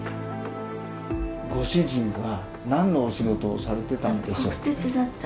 ご主人は何のお仕事をされてたんでしょうか？